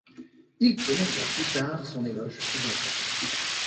Il prononça plus tard son éloge funèbre.